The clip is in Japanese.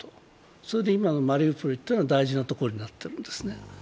それでマリウポリというのが大事な所になってるんですね。